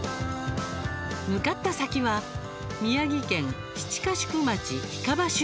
向かった先は宮城県七ヶ宿町干蒲集落。